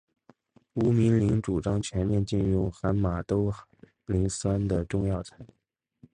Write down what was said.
吴明铃主张全面禁用含马兜铃酸的中药材。